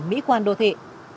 mỹ quan đô thị